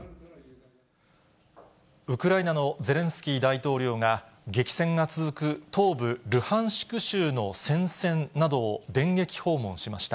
ウクライナのゼレンスキー大統領が激戦が続く東部ルハンシク州の戦線などを、電撃訪問しまし